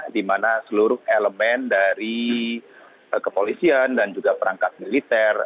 di mana seluruh elemen dari kepolisian dan juga perangkat militer